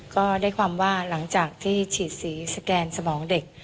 ก็ได้ความว่าหลังจากที่ฉีดสีสแกนสมองเด็ก